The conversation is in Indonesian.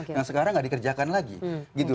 yang sekarang tidak dikerjakan lagi gitu loh